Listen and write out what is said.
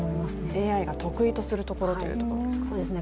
ＡＩが得意とするところということですね。